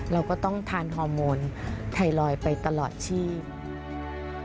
เราก็ต้องทานฮอร์โมนไทรอยด์ไปตลอดชีพ